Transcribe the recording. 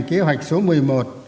kế hoạch số một mươi một